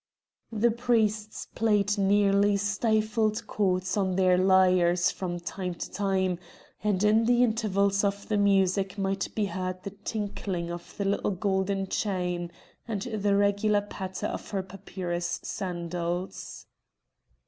The priests played nearly stifled chords on their lyres from time to time, and in the intervals of the music might be heard the tinkling of the little golden chain, and the regular patter of her papyrus sandals.